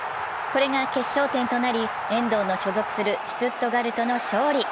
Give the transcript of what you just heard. これが決勝点となり、遠藤の所属するシュツットガルトの勝利。